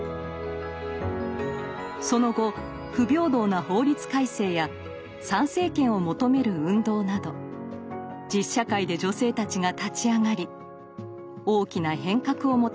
その後不平等な法律改正や参政権を求める運動など実社会で女性たちが立ち上がり大きな変革をもたらしました。